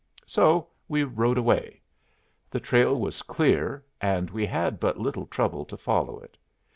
So we rode away. The trail was clear, and we had but little trouble to follow it.